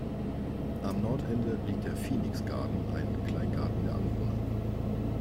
Am Nordende liegt der "Phoenix Garden", ein Kleingarten der Anwohner.